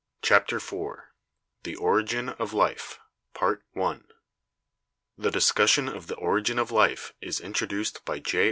CHAPTER IV THE ORIGIN OF LIFE The discussion of the origin of life is introduced by J.